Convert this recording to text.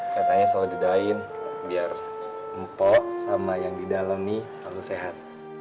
katanya selalu didain biar mpok sama yang di dalam nih selalu sehat